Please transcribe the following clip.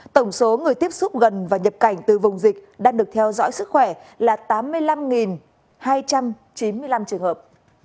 tổng số người tiếp xúc gần và nhập cảnh từ vùng dịch đang được theo dõi sức khỏe là tám mươi năm hai trăm chín mươi năm trường hợp